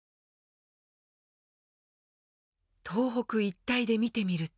東北一帯で見てみると。